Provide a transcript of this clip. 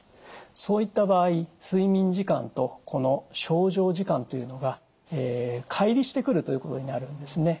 そういった場合睡眠時間とこの床上時間というのがかい離してくるということになるんですね。